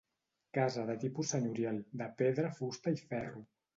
Casa de tipus senyorial, de pedra, fusta i ferro.